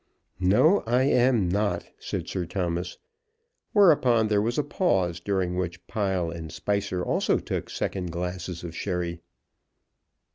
"No, I am not," said Sir Thomas. Whereupon there was a pause, during which Pile and Spicer also took second glasses of sherry.